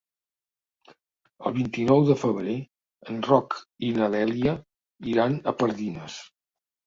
El vint-i-nou de febrer en Roc i na Dèlia iran a Pardines.